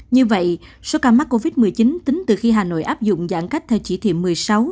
như vậy số ca mắc covid một mươi chín tính từ khi hà nội áp dụng giãn cách theo chỉ thị một mươi sáu